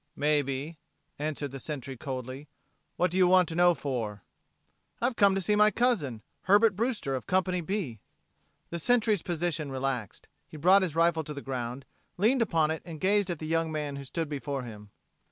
"Maybe," answered the Sentry coldly. "What do you want to know for?" "I've come to see my cousin Herbert Brewster, of Company B." The Sentry's position relaxed. He brought his rifle to the ground, leaned upon it, and gazed at the young man who stood before him.